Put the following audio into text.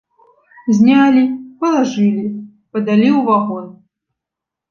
Знялі, палажылі, падалі ў вагон.